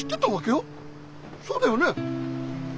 そうだよね？